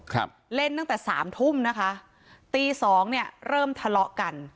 ครับเล่นตั้งแต่สามทุ่มนะคะตีสองเนี้ยเริ่มทะเลาะกัน